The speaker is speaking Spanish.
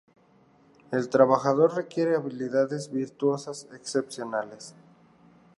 El trabajo requiere habilidades virtuosas excepcionales.